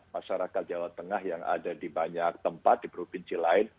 masyarakat jawa tengah yang ada di banyak tempat di provinsi lain